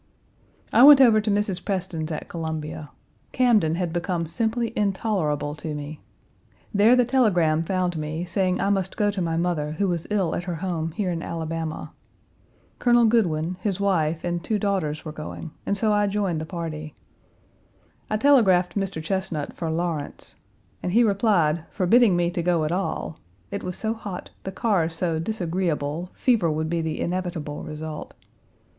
I went over to Mrs. Preston's at Columbia. Camden had become simply intolerable to me. There the telegram found me, saying I must go to my mother, who was ill at her home here in Alabama. Colonel Goodwyn, his wife, and two daughters were going, and so I joined the party. I telegraphed Mr. Chesnut for Lawrence, and he replied, forbidding me to go at all; it was so hot, the cars so disagreeable, fever would be the inevitable result.